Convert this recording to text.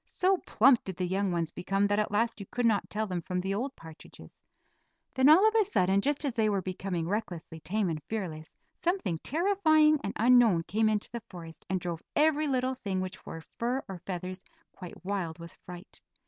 So plump did the young ones become that at last you could not tell them from the old partridges. Then, all of a sudden, just as they were becoming recklessly tame and fearless, something terrifying and unknown came into the forest and drove every little thing which wore fur or feathers quite wild with fright.